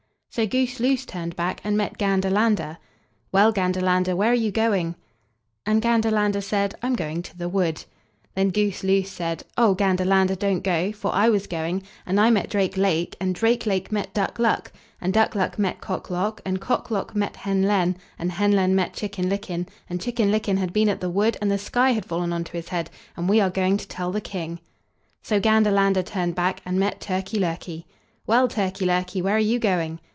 So Goose loose turned back, and met Gander lander. "Well, Gander lander, where are you going?" And Gander lander said: "I'm going to the wood." Then Goose loose said: "Oh! Gander lander, don't go, for I was going, and I met Drake lake, and Drake lake met Duck luck, and Duck luck met Cock lock, and Cock lock met Hen len, and Hen len met Chicken licken, and Chicken licken had been at the wood, and the sky had fallen on to his head, and we are going to tell the King." So Gander lander turned back, and met Turkey lurkey. "Well, Turkey lurkey, where are you going?"